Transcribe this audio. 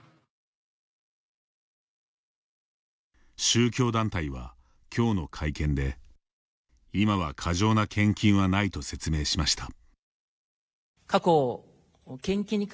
宗教団体は、きょうの会見で今は過剰な献金はないと説明しました。